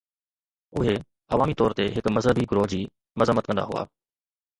اهي عوامي طور تي هڪ مذهبي گروهه جي مذمت ڪندا هئا.